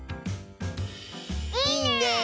いいね！